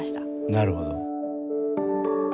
なるほど。